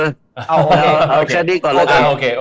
เอาแค่นี้ก่อนแล้วกัน